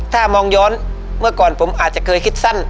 ถ้ามองย้อนเมื่อก่อนผมอาจจะเคยคิดสั้น